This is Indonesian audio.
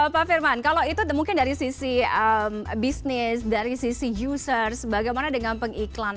pak firman kalau itu mungkin dari sisi bisnis dari sisi users bagaimana dengan pengiklan